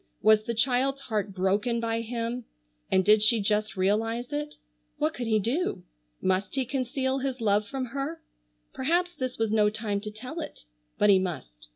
Was the child's heart broken by him, and did she just realize it? What could he do? Must he conceal his love from her? Perhaps this was no time to tell it. But he must.